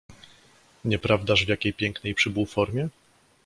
"Nieprawdaż w jakiej pięknej przybył formie?"